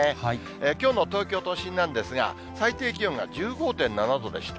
きょうの東京都心なんですが、最低気温が１５．７度でした。